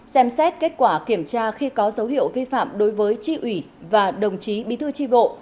xem xét kết quả kiểm tra khi có dấu hiệu vi phạm đối với tri ủy và đồng chí bí thư tri bộ